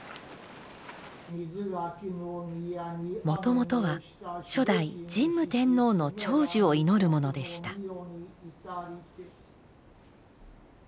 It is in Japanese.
もともとは初代神武天皇の長寿を祈るものでした。